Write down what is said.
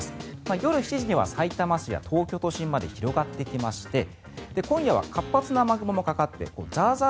夜７時にはさいたま市や東京都心まで広がってきまして今夜は活発な雨雲もかかってザーザー